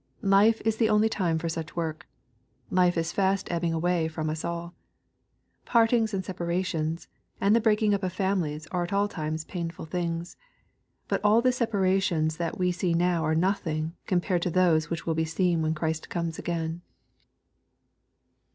Life is the only time for sucli work. Life is fast ehbing away from us all. Partings, and separations, and the breaking up of families are at all times painful things. But all the separations that we see now are nothing compared to those which will Ni seen when Christ comes again.